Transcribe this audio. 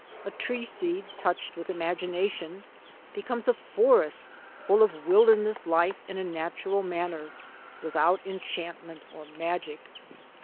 A tree seed touched with imagination becomes a forest full of wilderness life in a natural manner, without enchantment or magic.